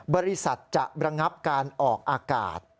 บริษัทจะระงับการออกอากาศ